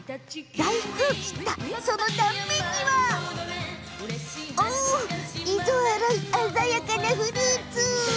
大福を切ったその断面には色鮮やかなフルーツ！